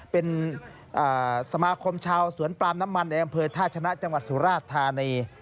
เป็นสมาคมชาวสวนปลามน้ำมันในกลางบริเวณถ้าชนะจังหวัดสุราษฎร์ธานี